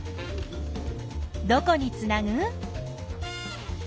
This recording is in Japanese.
どこにつなぐ？